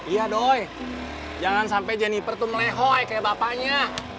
iya doi jangan sampai jeniper tuh melehoi kayak bapaknya